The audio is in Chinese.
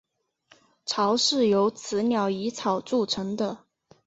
巢是由雌鸟以草筑成。